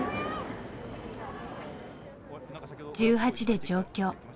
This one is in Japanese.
１８で上京。